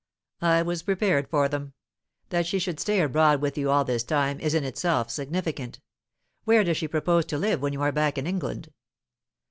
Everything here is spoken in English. "I was prepared for them. That she should stay abroad with you all this time is in itself significant. Where does she propose to live when you are back in England?"